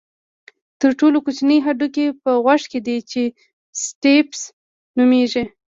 تر ټولو کوچنی هډوکی په غوږ کې دی چې سټیپس نومېږي.